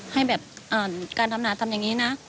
ให้แบบอ่านการทำนาทำอย่างนี้นะ